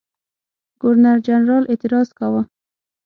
ګورنرجنرال اعتراض کاوه.